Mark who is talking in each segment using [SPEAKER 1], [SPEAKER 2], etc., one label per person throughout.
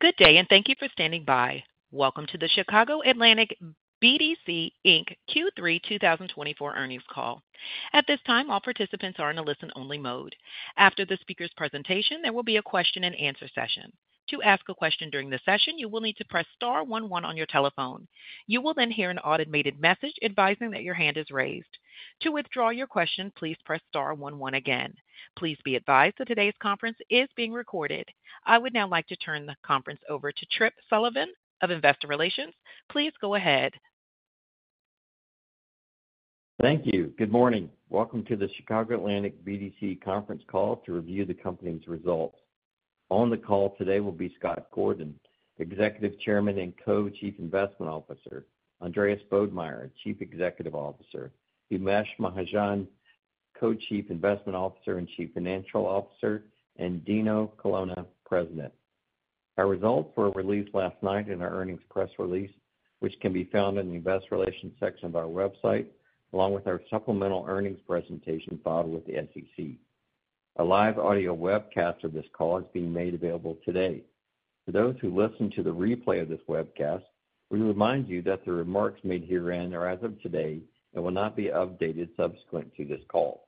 [SPEAKER 1] Good day, and thank you for standing by. Welcome to the Chicago Atlantic BDC Inc. Q3 2024 earnings call. At this time, all participants are in a listen-only mode. After the speaker's presentation, there will be a question-and-answer session. To ask a question during the session, you will need to press star eleven on your telephone. You will then hear an automated message advising that your hand is raised. To withdraw your question, please press star eleven again. Please be advised that today's conference is being recorded. I would now like to turn the conference over to Tripp Sullivan of Investor Relations. Please go ahead.
[SPEAKER 2] Thank you. Good morning. Welcome to the Chicago Atlantic BDC conference call to review the company's results. On the call today will be Scott Gordon, Executive Chairman and Co-Chief Investment Officer, Andreas Bodmeier, Chief Executive Officer, Umesh Mahajan, Co-Chief Investment Officer and Chief Financial Officer, and Dino Colonna, President. Our results were released last night in our earnings press release, which can be found in the Investor Relations section of our website, along with our supplemental earnings presentation filed with the SEC. A live audio webcast of this call is being made available today. For those who listen to the replay of this webcast, we remind you that the remarks made herein are as of today and will not be updated subsequent to this call.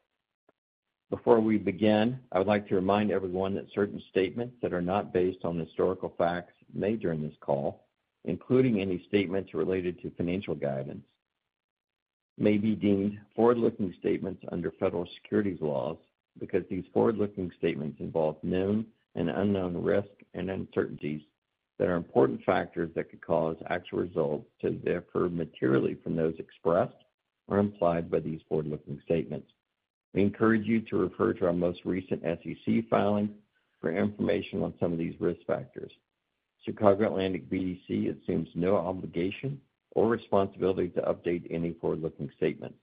[SPEAKER 2] Before we begin, I would like to remind everyone that certain statements that are not based on historical facts made during this call, including any statements related to financial guidance, may be deemed forward-looking statements under federal securities laws because these forward-looking statements involve known and unknown risks and uncertainties that are important factors that could cause actual results to differ materially from those expressed or implied by these forward-looking statements. We encourage you to refer to our most recent SEC filing for information on some of these risk factors. Chicago Atlantic BDC assumes no obligation or responsibility to update any forward-looking statements.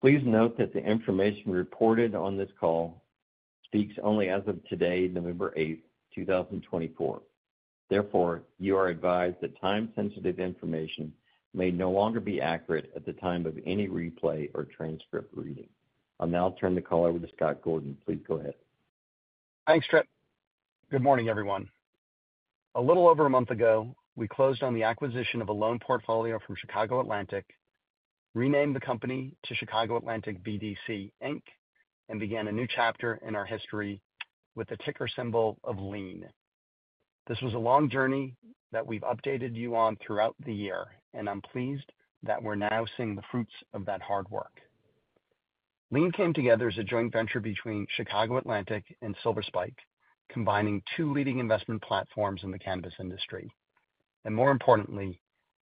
[SPEAKER 2] Please note that the information reported on this call speaks only as of today, November 8th, 2024. Therefore, you are advised that time-sensitive information may no longer be accurate at the time of any replay or transcript reading. I'll now turn the call over to Scott Gordon. Please go ahead.
[SPEAKER 3] Thanks, Tripp. Good morning, everyone. A little over a month ago, we closed on the acquisition of a loan portfolio from Chicago Atlantic, renamed the company to Chicago Atlantic BDC Inc., and began a new chapter in our history with the ticker symbol of LEAN. This was a long journey that we've updated you on throughout the year, and I'm pleased that we're now seeing the fruits of that hard work. LEAN came together as a joint venture between Chicago Atlantic and Silver Spike, combining two leading investment platforms in the cannabis industry, and more importantly,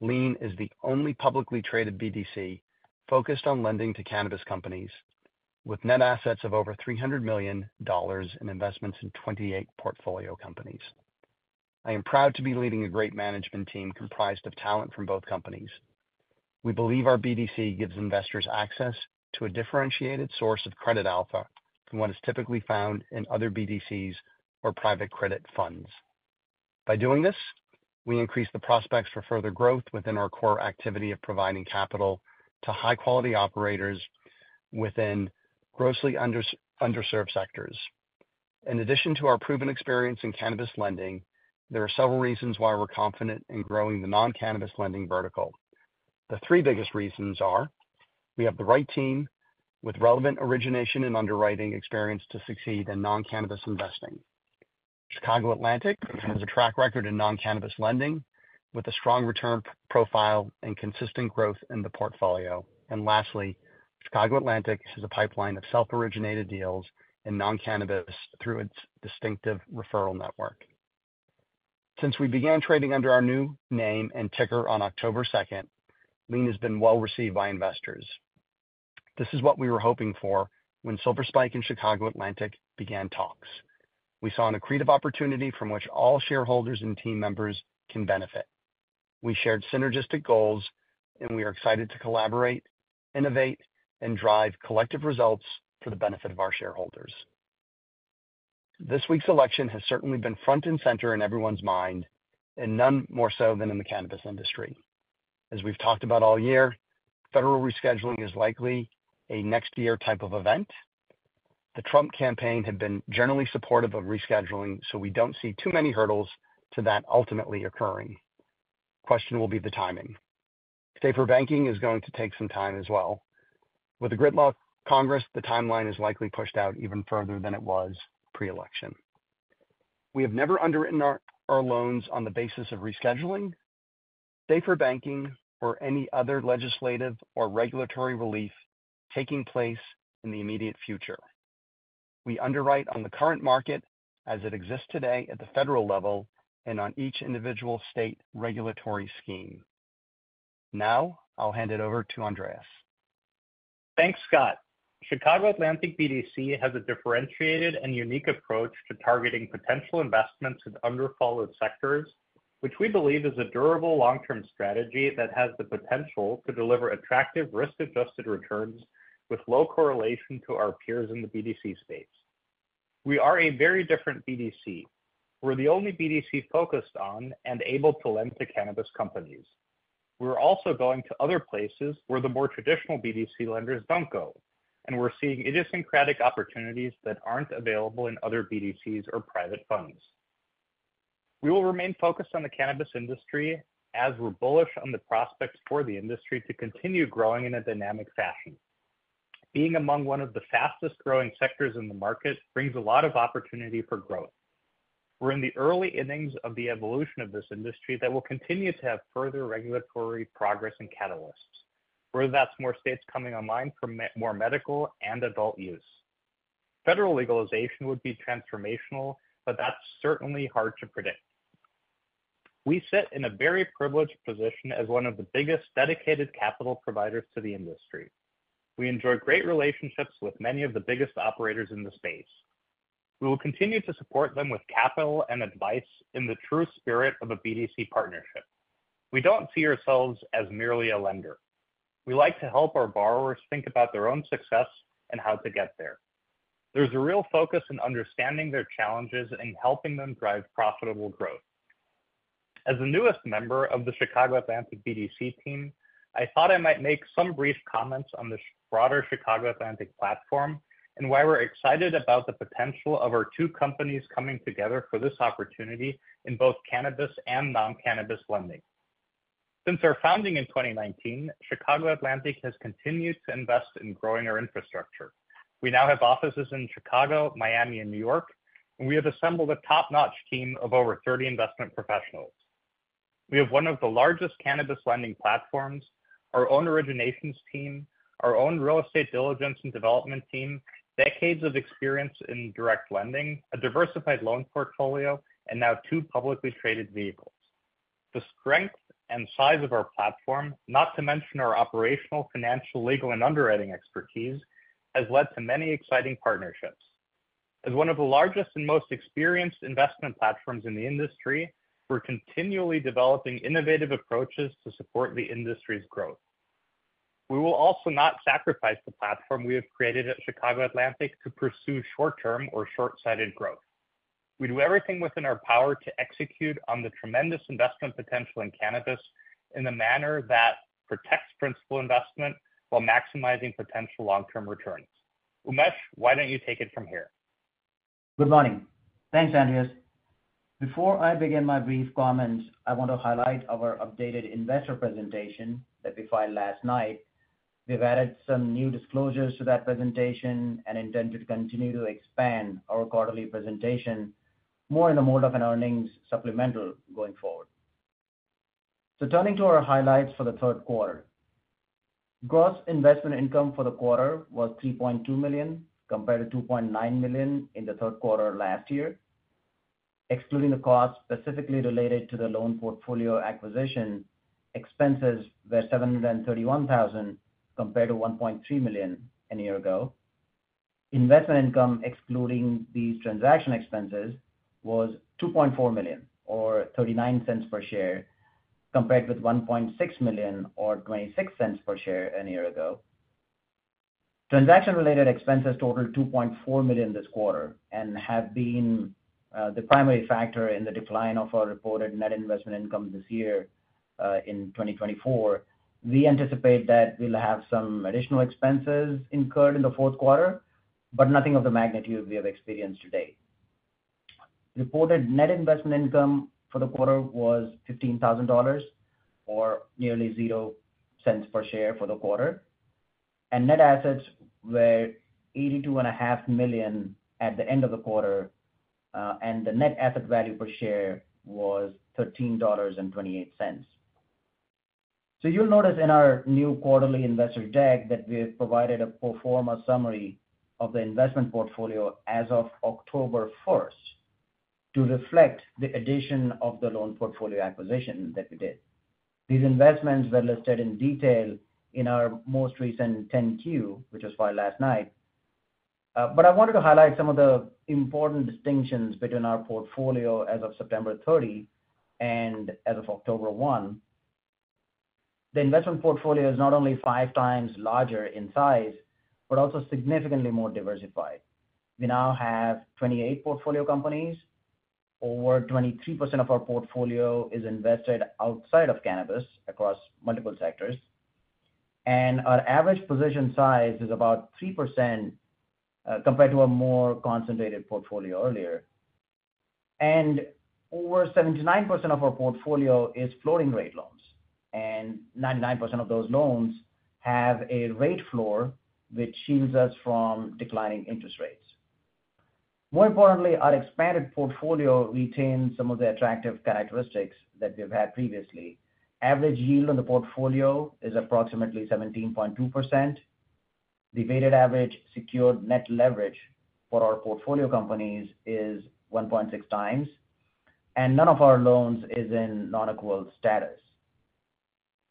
[SPEAKER 3] LEAN is the only publicly traded BDC focused on lending to cannabis companies, with net assets of over $300 million in investments in 28 portfolio companies. I am proud to be leading a great management team comprised of talent from both companies. We believe our BDC gives investors access to a differentiated source of credit alpha from what is typically found in other BDCs or private credit funds. By doing this, we increase the prospects for further growth within our core activity of providing capital to high-quality operators within grossly underserved sectors. In addition to our proven experience in cannabis lending, there are several reasons why we're confident in growing the non-cannabis lending vertical. The three biggest reasons are we have the right team with relevant origination and underwriting experience to succeed in non-cannabis investing. Chicago Atlantic has a track record in non-cannabis lending with a strong return profile and consistent growth in the portfolio. And lastly, Chicago Atlantic has a pipeline of self-originated deals in non-cannabis through its distinctive referral network. Since we began trading under our new name and ticker on October 2nd, LEAN has been well received by investors. This is what we were hoping for when Silver Spike and Chicago Atlantic began talks. We saw an accretive opportunity from which all shareholders and team members can benefit. We shared synergistic goals, and we are excited to collaborate, innovate, and drive collective results for the benefit of our shareholders. This week's election has certainly been front and center in everyone's mind, and none more so than in the cannabis industry. As we've talked about all year, federal rescheduling is likely a next-year type of event. The Trump campaign had been generally supportive of rescheduling, so we don't see too many hurdles to that ultimately occurring. The question will be the timing. SAFER Banking is going to take some time as well. With a gridlock in Congress, the timeline is likely pushed out even further than it was pre-election. We have never underwritten our loans on the basis of rescheduling, safer banking, or any other legislative or regulatory relief taking place in the immediate future. We underwrite on the current market as it exists today at the federal level and on each individual state regulatory scheme. Now I'll hand it over to Andreas.
[SPEAKER 4] Thanks, Scott. Chicago Atlantic BDC has a differentiated and unique approach to targeting potential investments in underfollowed sectors, which we believe is a durable long-term strategy that has the potential to deliver attractive risk-adjusted returns with low correlation to our peers in the BDC space. We are a very different BDC. We're the only BDC focused on and able to lend to cannabis companies. We're also going to other places where the more traditional BDC lenders don't go, and we're seeing idiosyncratic opportunities that aren't available in other BDCs or private funds. We will remain focused on the cannabis industry as we're bullish on the prospects for the industry to continue growing in a dynamic fashion. Being among one of the fastest-growing sectors in the market brings a lot of opportunity for growth. We're in the early innings of the evolution of this industry that will continue to have further regulatory progress and catalysts, whether that's more states coming online for more medical and adult use. Federal legalization would be transformational, but that's certainly hard to predict. We sit in a very privileged position as one of the biggest dedicated capital providers to the industry. We enjoy great relationships with many of the biggest operators in the space. We will continue to support them with capital and advice in the true spirit of a BDC partnership. We don't see ourselves as merely a lender. We like to help our borrowers think about their own success and how to get there. There's a real focus in understanding their challenges and helping them drive profitable growth. As the newest member of the Chicago Atlantic BDC team, I thought I might make some brief comments on the broader Chicago Atlantic platform and why we're excited about the potential of our two companies coming together for this opportunity in both cannabis and non-cannabis lending. Since our founding in 2019, Chicago Atlantic has continued to invest in growing our infrastructure. We now have offices in Chicago, Miami, and New York, and we have assembled a top-notch team of over 30 investment professionals. We have one of the largest cannabis lending platforms, our own originations team, our own real estate diligence and development team, decades of experience in direct lending, a diversified loan portfolio, and now two publicly traded vehicles. The strength and size of our platform, not to mention our operational, financial, legal, and underwriting expertise, has led to many exciting partnerships. As one of the largest and most experienced investment platforms in the industry, we're continually developing innovative approaches to support the industry's growth. We will also not sacrifice the platform we have created at Chicago Atlantic to pursue short-term or short-sighted growth. We do everything within our power to execute on the tremendous investment potential in cannabis in a manner that protects principal investment while maximizing potential long-term returns. Umesh, why don't you take it from here?
[SPEAKER 5] Good morning. Thanks, Andreas. Before I begin my brief comments, I want to highlight our updated investor presentation that we filed last night. We've added some new disclosures to that presentation and intend to continue to expand our quarterly presentation more in the mode of an earnings supplemental going forward. So turning to our highlights for the third quarter, gross investment income for the quarter was $3.2 million compared to $2.9 million in the third quarter last year. Excluding the costs specifically related to the loan portfolio acquisition, expenses were $731,000 compared to $1.3 million a year ago. Investment income, excluding these transaction expenses, was $2.4 million, or $0.39 per share, compared with $1.6 million, or $0.26 per share a year ago. Transaction-related expenses totaled $2.4 million this quarter and have been the primary factor in the decline of our reported net investment income this year in 2024. We anticipate that we'll have some additional expenses incurred in the fourth quarter, but nothing of the magnitude we have experienced today. Reported net investment income for the quarter was $15,000, or nearly $0 per share for the quarter, and net assets were $82.5 million at the end of the quarter, and the net asset value per share was $13.28, so you'll notice in our new quarterly investor deck that we have provided a pro forma summary of the investment portfolio as of October 1st to reflect the addition of the loan portfolio acquisition that we did. These investments were listed in detail in our most recent 10-Q, which was filed last night, but I wanted to highlight some of the important distinctions between our portfolio as of September 30 and as of October 1. The investment portfolio is not only five times larger in size, but also significantly more diversified. We now have 28 portfolio companies. Over 23% of our portfolio is invested outside of cannabis across multiple sectors. And our average position size is about 3% compared to a more concentrated portfolio earlier. And over 79% of our portfolio is floating-rate loans. And 99% of those loans have a rate floor, which shields us from declining interest rates. More importantly, our expanded portfolio retains some of the attractive characteristics that we've had previously. Average yield on the portfolio is approximately 17.2%. The weighted average secured net leverage for our portfolio companies is 1.6 times. And none of our loans is in non-accrual status.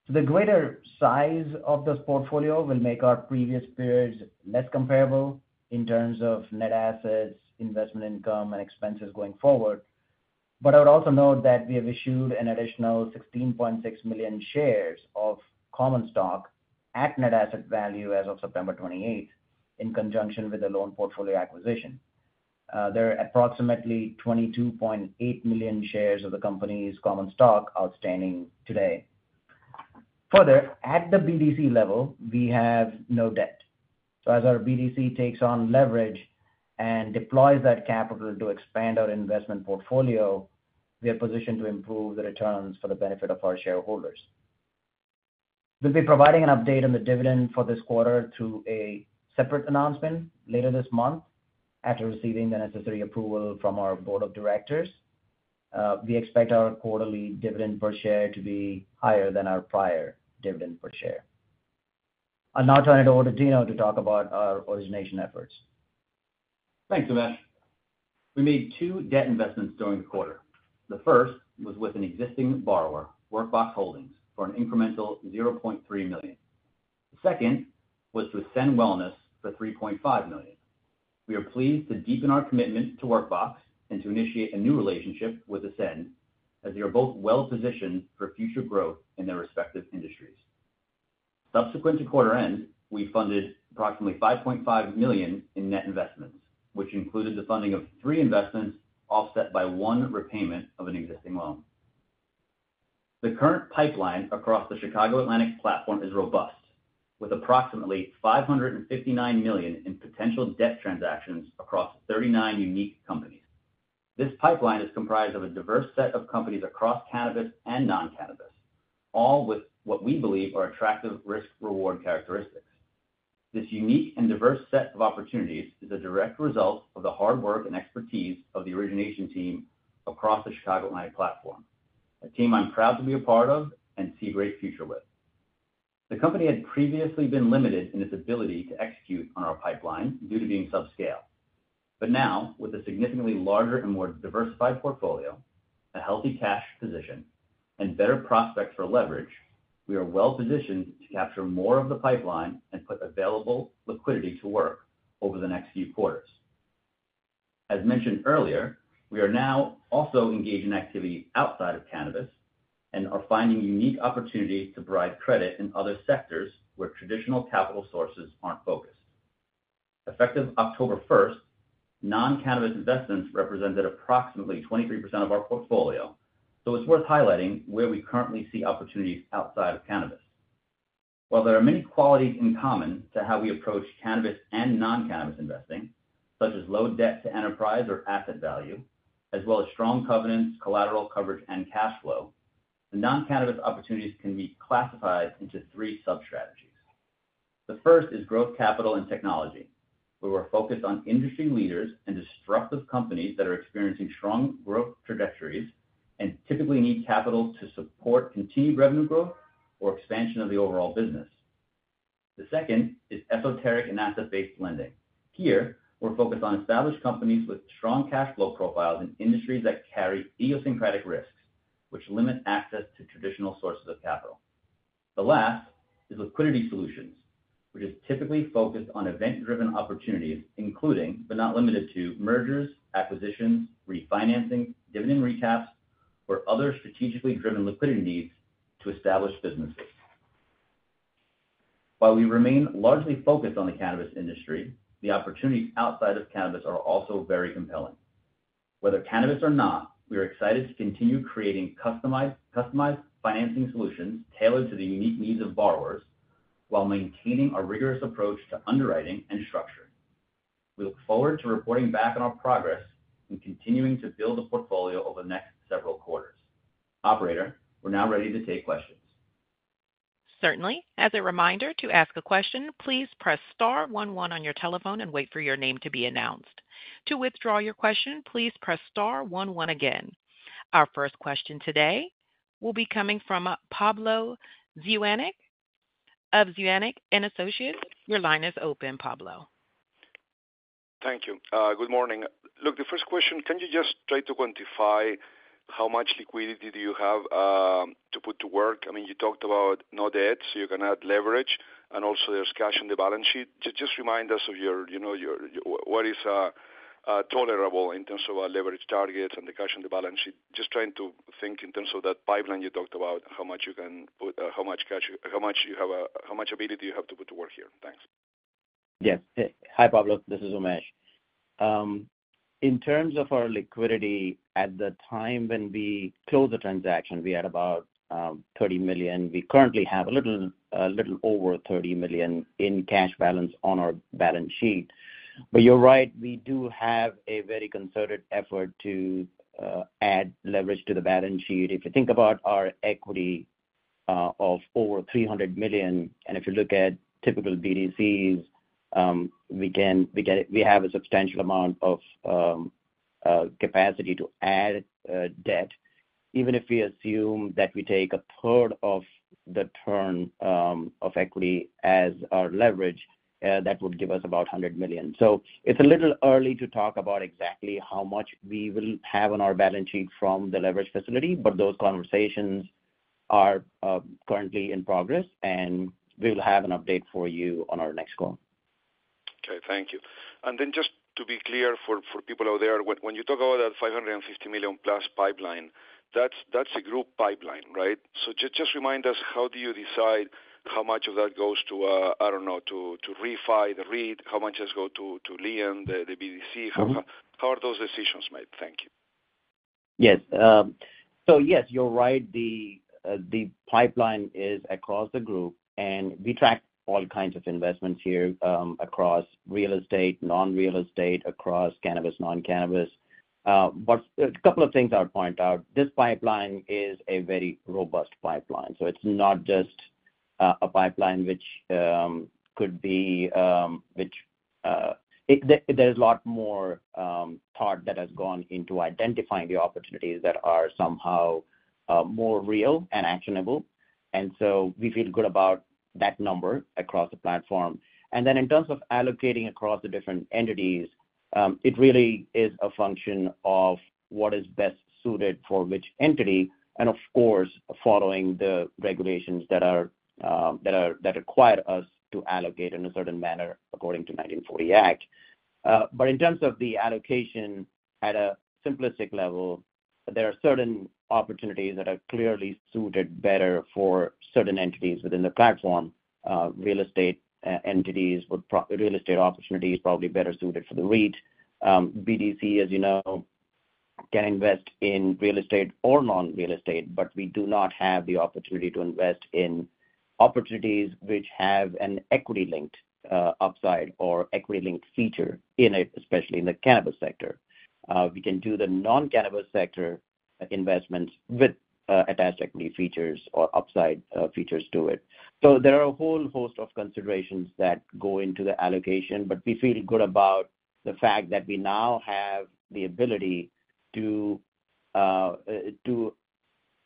[SPEAKER 5] So the greater size of this portfolio will make our previous periods less comparable in terms of net assets, investment income, and expenses going forward. But I would also note that we have issued an additional 16.6 million shares of common stock at net asset value as of September 28th in conjunction with the loan portfolio acquisition. There are approximately 22.8 million shares of the company's common stock outstanding today. Further, at the BDC level, we have no debt. So as our BDC takes on leverage and deploys that capital to expand our investment portfolio, we are positioned to improve the returns for the benefit of our shareholders. We'll be providing an update on the dividend for this quarter through a separate announcement later this month after receiving the necessary approval from our board of directors. We expect our quarterly dividend per share to be higher than our prior dividend per share. I'll now turn it over to Dino to talk about our origination efforts.
[SPEAKER 6] Thanks, Umesh. We made two debt investments during the quarter. The first was with an existing borrower, Workbox Holdings, for an incremental $0.3 million. The second was with Ascend Wellness for $3.5 million. We are pleased to deepen our commitment to Workbox and to initiate a new relationship with Ascend, as they are both well-positioned for future growth in their respective industries. Subsequent to quarter end, we funded approximately $5.5 million in net investments, which included the funding of three investments offset by one repayment of an existing loan. The current pipeline across the Chicago Atlantic platform is robust, with approximately $559 million in potential debt transactions across 39 unique companies. This pipeline is comprised of a diverse set of companies across cannabis and non-cannabis, all with what we believe are attractive risk-reward characteristics. This unique and diverse set of opportunities is a direct result of the hard work and expertise of the origination team across the Chicago Atlantic platform, a team I'm proud to be a part of and see a great future with. The company had previously been limited in its ability to execute on our pipeline due to being subscale, but now, with a significantly larger and more diversified portfolio, a healthy cash position, and better prospects for leverage, we are well-positioned to capture more of the pipeline and put available liquidity to work over the next few quarters. As mentioned earlier, we are now also engaged in activity outside of cannabis and are finding unique opportunities to provide credit in other sectors where traditional capital sources aren't focused. Effective October 1st, non-cannabis investments represented approximately 23% of our portfolio, so it's worth highlighting where we currently see opportunities outside of cannabis. While there are many qualities in common to how we approach cannabis and non-cannabis investing, such as low debt to enterprise or asset value, as well as strong covenants, collateral coverage, and cash flow, the non-cannabis opportunities can be classified into three sub-strategies. The first is growth capital and technology, where we're focused on industry leaders and disruptive companies that are experiencing strong growth trajectories and typically need capital to support continued revenue growth or expansion of the overall business. The second is esoteric and asset-based lending. Here, we're focused on established companies with strong cash flow profiles in industries that carry idiosyncratic risks, which limit access to traditional sources of capital. The last is liquidity solutions, which is typically focused on event-driven opportunities, including, but not limited to, mergers, acquisitions, refinancing, dividend recaps, or other strategically driven liquidity needs to establish businesses. While we remain largely focused on the cannabis industry, the opportunities outside of cannabis are also very compelling. Whether cannabis or not, we are excited to continue creating customized financing solutions tailored to the unique needs of borrowers while maintaining a rigorous approach to underwriting and structure. We look forward to reporting back on our progress and continuing to build the portfolio over the next several quarters. Operator, we're now ready to take questions.
[SPEAKER 1] Certainly. As a reminder to ask a question, please press star 11 on your telephone and wait for your name to be announced. To withdraw your question, please press star 11 again. Our first question today will be coming from Pablo Zuanic of Zuanic & Associates. Your line is open, Pablo.
[SPEAKER 7] Thank you. Good morning. Look, the first question, can you just try to quantify how much liquidity do you have to put to work? I mean, you talked about no debt, so you can add leverage, and also there's cash on the balance sheet. Just remind us of your what is tolerable in terms of leverage targets and the cash on the balance sheet. Just trying to think in terms of that pipeline you talked about, how much you can put how much cash how much ability you have to put to work here. Thanks.
[SPEAKER 5] Yes. Hi, Pablo. This is Umesh. In terms of our liquidity, at the time when we closed the transaction, we had about $30 million. We currently have a little over $30 million in cash balance on our balance sheet. But you're right, we do have a very concerted effort to add leverage to the balance sheet. If you think about our equity of over $300 million, and if you look at typical BDCs, we have a substantial amount of capacity to add debt. Even if we assume that we take a third of the turn of equity as our leverage, that would give us about $100 million. So it's a little early to talk about exactly how much we will have on our balance sheet from the leverage facility, but those conversations are currently in progress, and we will have an update for you on our next call.
[SPEAKER 7] Okay. Thank you. And then just to be clear for people out there, when you talk about that $550 million-plus pipeline, that's a group pipeline, right? So just remind us, how do you decide how much of that goes to, I don't know, to REFI, the REIT? How much has gone to LEAN, the BDC? How are those decisions made? Thank you.
[SPEAKER 5] Yes, so yes, you're right. The pipeline is across the group, and we track all kinds of investments here across real estate, non-real estate, across cannabis, non-cannabis, but a couple of things I'll point out. This pipeline is a very robust pipeline, so it's not just a pipeline which there is a lot more thought that has gone into identifying the opportunities that are somehow more real and actionable, and so we feel good about that number across the platform, and then in terms of allocating across the different entities, it really is a function of what is best suited for which entity, and of course, following the regulations that require us to allocate in a certain manner according to the 1940 Act. In terms of the allocation at a simplistic level, there are certain opportunities that are clearly suited better for certain entities within the platform. Real estate entities with real estate opportunities are probably better suited for the REIT. The BDC, as you know, can invest in real estate or non-real estate, but we do not have the opportunity to invest in opportunities which have an equity-linked upside or equity-linked feature in it, especially in the cannabis sector. We can do the non-cannabis sector investments with attached equity features or upside features to it. So there are a whole host of considerations that go into the allocation, but we feel good about the fact that we now have the ability to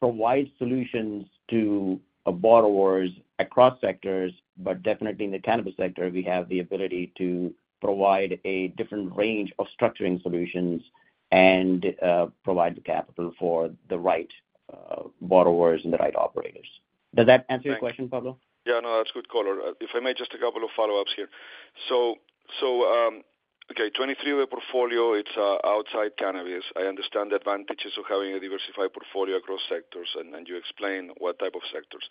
[SPEAKER 5] provide solutions to borrowers across sectors, but definitely in the cannabis sector, we have the ability to provide a different range of structuring solutions and provide the capital for the right borrowers and the right operators. Does that answer your question, Pablo?
[SPEAKER 7] Yeah. No, that's a good call. If I may, just a couple of follow-ups here. So okay, 23 of the portfolio, it's outside cannabis. I understand the advantages of having a diversified portfolio across sectors, and you explained what type of sectors.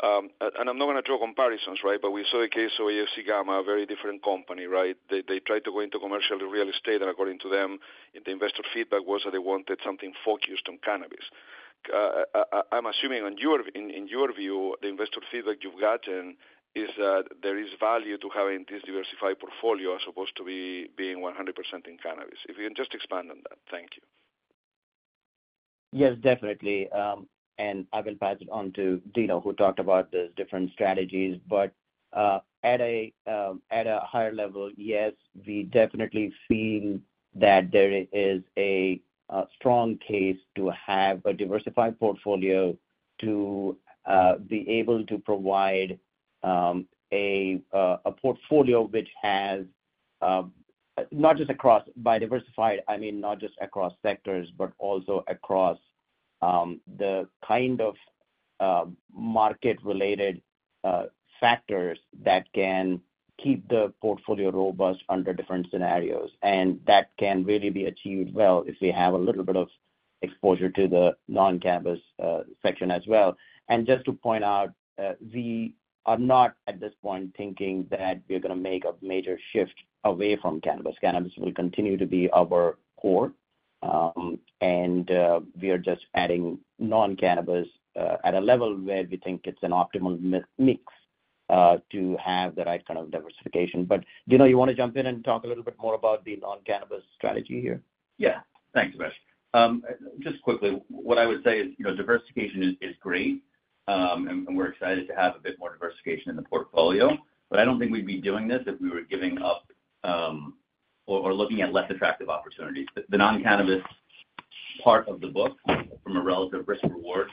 [SPEAKER 7] And I'm not going to draw comparisons, right? But we saw the case of AFC Gamma, a very different company, right? They tried to go into commercial real estate, and according to them, the investor feedback was that they wanted something focused on cannabis. I'm assuming in your view, the investor feedback you've gotten is that there is value to having this diversified portfolio as opposed to being 100% in cannabis. If you can just expand on that. Thank you.
[SPEAKER 5] Yes, definitely, and I will pass it on to Dino, who talked about the different strategies. But at a higher level, yes, we definitely feel that there is a strong case to have a diversified portfolio to be able to provide a portfolio which has not just across but diversified, I mean, not just across sectors, but also across the kind of market-related factors that can keep the portfolio robust under different scenarios. And that can really be achieved well if we have a little bit of exposure to the non-cannabis section as well. And just to point out, we are not at this point thinking that we're going to make a major shift away from cannabis. Cannabis will continue to be our core, and we are just adding non-cannabis at a level where we think it's an optimal mix to have the right kind of diversification. But Dino, you want to jump in and talk a little bit more about the non-cannabis strategy here?
[SPEAKER 6] Yeah. Thanks, Umesh. Just quickly, what I would say is diversification is great, and we're excited to have a bit more diversification in the portfolio. But I don't think we'd be doing this if we were giving up or looking at less attractive opportunities. The non-cannabis part of the book, from a relative risk-reward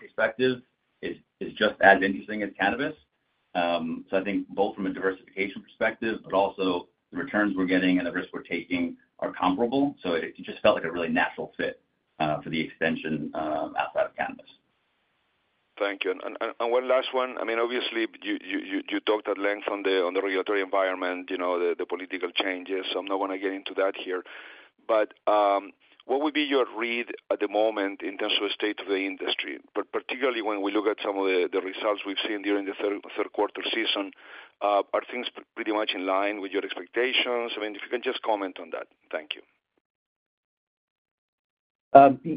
[SPEAKER 6] perspective, is just as interesting as cannabis. I think both from a diversification perspective, but also the returns we're getting and the risks we're taking are comparable. It just felt like a really natural fit for the extension outside of cannabis.
[SPEAKER 7] Thank you, and one last one. I mean, obviously, you talked at length on the regulatory environment, the political changes. I'm not going to get into that here, but what would be your read at the moment in terms of the state of the industry? Particularly when we look at some of the results we've seen during the third quarter season, are things pretty much in line with your expectations? I mean, if you can just comment on that. Thank you.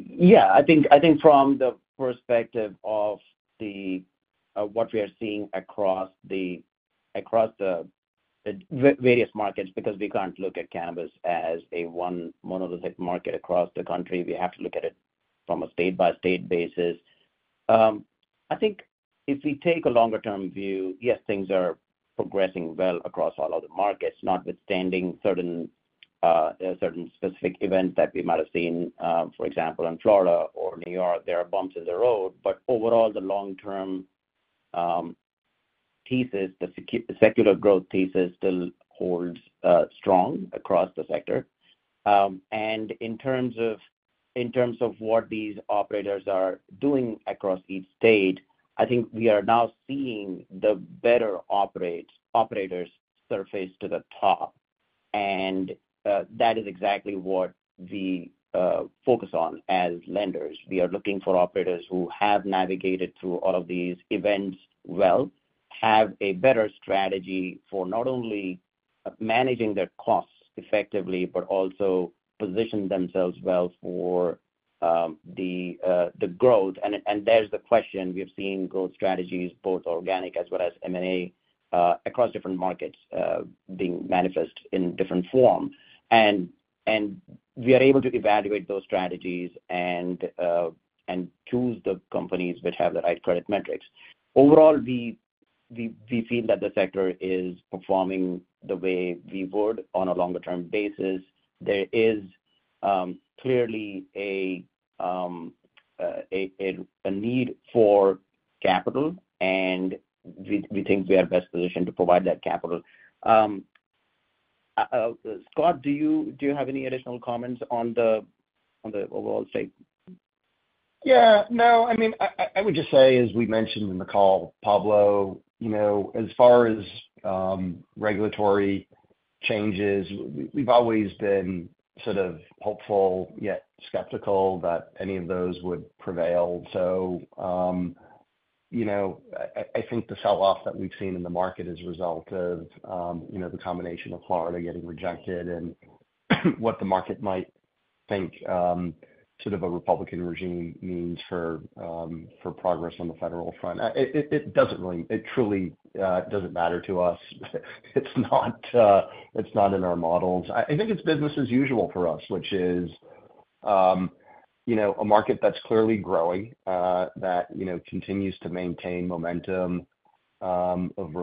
[SPEAKER 5] Yeah. I think from the perspective of what we are seeing across the various markets, because we can't look at cannabis as one monolithic market across the country, we have to look at it from a state-by-state basis. I think if we take a longer-term view, yes, things are progressing well across all of the markets, notwithstanding certain specific events that we might have seen. For example, in Florida or New York, there are bumps in the road. But overall, the long-term thesis, the secular growth thesis, still holds strong across the sector. And in terms of what these operators are doing across each state, I think we are now seeing the better operators surface to the top. And that is exactly what we focus on as lenders. We are looking for operators who have navigated through all of these events well, have a better strategy for not only managing their costs effectively, but also position themselves well for the growth, and there's the question. We have seen growth strategies, both organic as well as M&A, across different markets being manifest in different form, and we are able to evaluate those strategies and choose the companies which have the right credit metrics. Overall, we feel that the sector is performing the way we would on a longer-term basis. There is clearly a need for capital, and we think we are best positioned to provide that capital. Scott, do you have any additional comments on the overall state?
[SPEAKER 3] Yeah. No. I mean, I would just say, as we mentioned in the call, Pablo, as far as regulatory changes, we've always been sort of hopeful yet skeptical that any of those would prevail. So I think the sell-off that we've seen in the market is a result of the combination of Florida getting rejected and what the market might think sort of a Republican regime means for progress on the federal front. It truly doesn't matter to us. It's not in our models. I think it's business as usual for us, which is a market that's clearly growing, that continues to maintain momentum of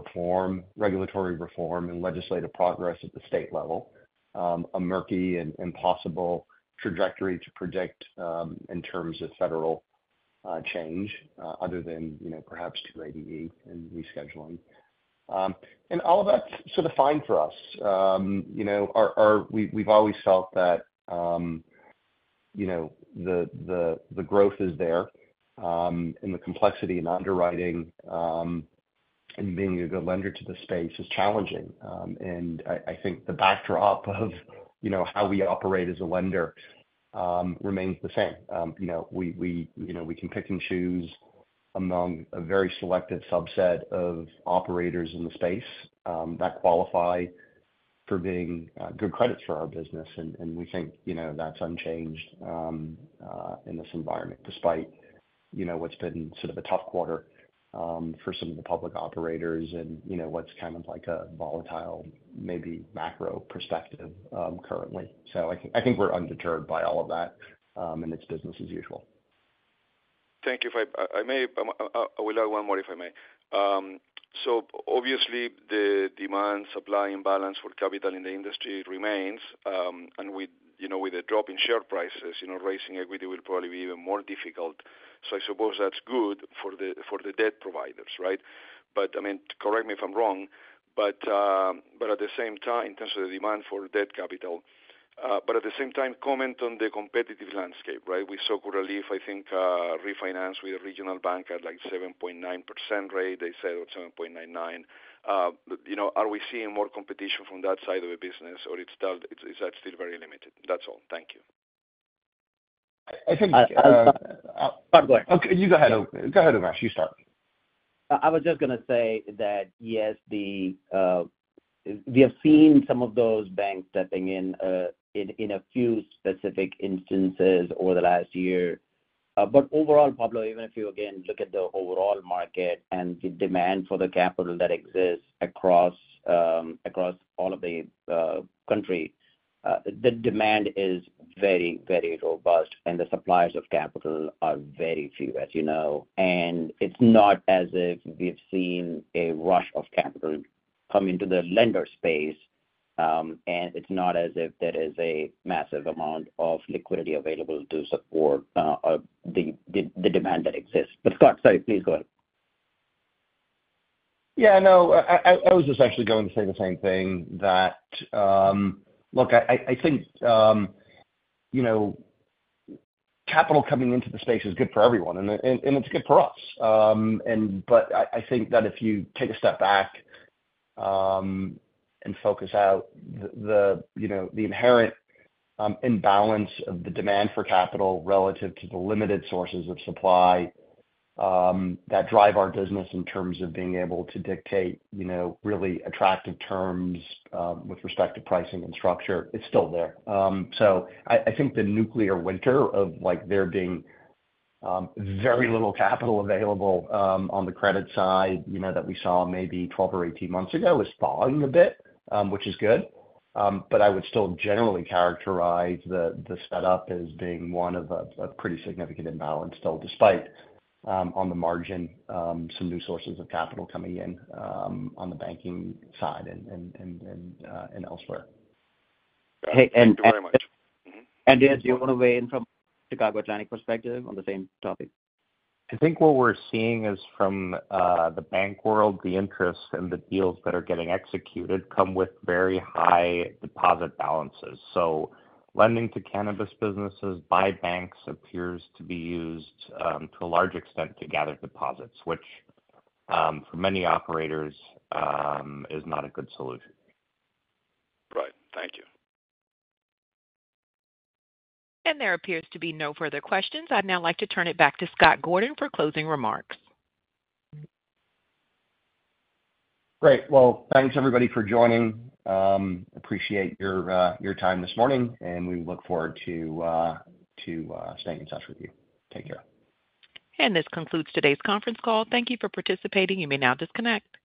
[SPEAKER 3] regulatory reform and legislative progress at the state level, a murky and possible trajectory to predict in terms of federal change other than perhaps 280E and rescheduling, and all of that's sort of fine for us. We've always felt that the growth is there, and the complexity in underwriting and being a good lender to the space is challenging. And I think the backdrop of how we operate as a lender remains the same. We can pick and choose among a very selective subset of operators in the space that qualify for being good credits for our business, and we think that's unchanged in this environment despite what's been sort of a tough quarter for some of the public operators and what's kind of like a volatile, maybe macro perspective currently. So I think we're undeterred by all of that, and it's business as usual.
[SPEAKER 7] Thank you. I will add one more if I may. So obviously, the demand-supply imbalance for capital in the industry remains, and with the drop in share prices, raising equity will probably be even more difficult. So I suppose that's good for the debt providers, right? But I mean, correct me if I'm wrong, but at the same time, in terms of the demand for debt capital, but at the same time, comment on the competitive landscape, right? We saw Curaleaf, I think, refinance with a regional bank at like 7.9% rate. They said 7.99%. Are we seeing more competition from that side of the business, or is that still very limited? That's all. Thank you.
[SPEAKER 6] I think.
[SPEAKER 3] Pablo.
[SPEAKER 6] You go ahead. Go ahead, Umesh. You start.
[SPEAKER 5] I was just going to say that yes, we have seen some of those banks stepping in in a few specific instances over the last year. But overall, Pablo, even if you again look at the overall market and the demand for the capital that exists across all of the country, the demand is very, very robust, and the suppliers of capital are very few, as you know. And it's not as if we've seen a rush of capital come into the lender space, and it's not as if there is a massive amount of liquidity available to support the demand that exists. But Scott, sorry, please go ahead.
[SPEAKER 3] Yeah. No, I was just actually going to say the same thing, that look, I think capital coming into the space is good for everyone, and it's good for us. But I think that if you take a step back and focus out the inherent imbalance of the demand for capital relative to the limited sources of supply that drive our business in terms of being able to dictate really attractive terms with respect to pricing and structure, it's still there. So I think the nuclear winter of there being very little capital available on the credit side that we saw maybe 12 or 18 months ago is falling a bit, which is good. But I would still generally characterize the setup as being one of a pretty significant imbalance still, despite on the margin some new sources of capital coming in on the banking side and elsewhere.
[SPEAKER 5] Hey.
[SPEAKER 6] Thank you very much.
[SPEAKER 7] Dino, do you want to weigh in from a Chicago Atlantic perspective on the same topic?
[SPEAKER 6] I think what we're seeing is from the bank world, the interest and the deals that are getting executed come with very high deposit balances. So lending to cannabis businesses by banks appears to be used to a large extent to gather deposits, which for many operators is not a good solution.
[SPEAKER 7] Right. Thank you.
[SPEAKER 1] There appears to be no further questions. I'd now like to turn it back to Scott Gordon for closing remarks.
[SPEAKER 3] Great. Well, thanks everybody for joining. Appreciate your time this morning, and we look forward to staying in touch with you. Take care.
[SPEAKER 1] This concludes today's conference call. Thank you for participating. You may now disconnect.